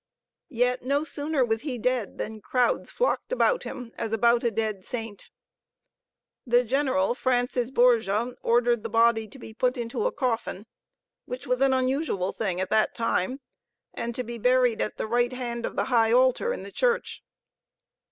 Yet no sooner was he dead than crowds flocked about him as about a dead saint. The General, Francis Borgia, ordered the body to be put into a coffin, which was an unusual thing at that time, and to be buried at the right hand of the high altar in the church.